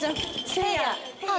せいやっ！